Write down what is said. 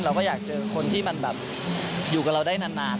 เราก็อยากเจอคนที่มันแบบอยู่กับเราได้นาน